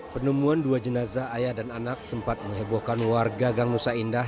penemuan dua jenazah ayah dan anak sempat mehebohkan warga gangusa indah